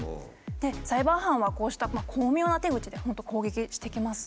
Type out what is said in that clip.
サイバー犯はこうした巧妙な手口で本当攻撃してきます。